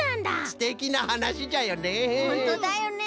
すてきなはなしじゃよね。